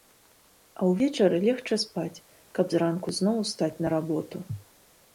А ўвечары легчы спаць, каб зранку зноў устаць на работу.